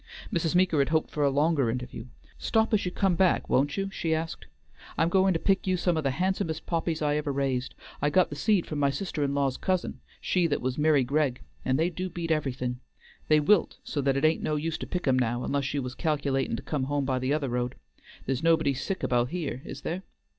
Mrs. Meeker had hoped for a longer interview. "Stop as you come back, won't you?" she asked. "I'm goin' to pick you some of the handsomest poppies I ever raised. I got the seed from my sister in law's cousin, she that was 'Miry Gregg, and they do beat everything. They wilt so that it ain't no use to pick 'em now, unless you was calc'latin' to come home by the other road. There's nobody sick about here, is there?"